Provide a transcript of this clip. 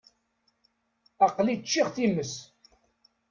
Aql-i ččiɣ times.